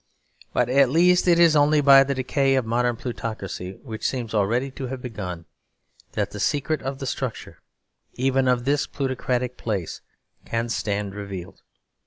But at least it is only by the decay of modern plutocracy, which seems already to have begun, that the secret of the structure even of this plutocratic palace can stand revealed.